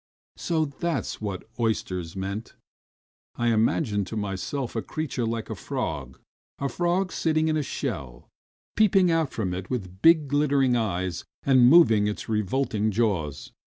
So that's what "oysters" meant! I imagined to myself a creature like a frog. A frog sitting in a shell, peeping out from it with big, glittering eyes, and moving its revolting jaws.